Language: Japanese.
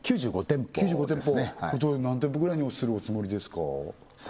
９５店舗何店舗ぐらいにするおつもりですか？